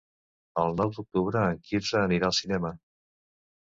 El nou d'octubre en Quirze anirà al cinema.